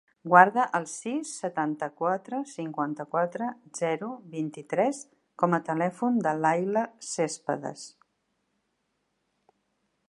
Guarda el sis, setanta-quatre, cinquanta-quatre, zero, vint-i-tres com a telèfon de l'Ayla Cespedes.